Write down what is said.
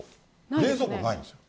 冷蔵庫ないんですよ。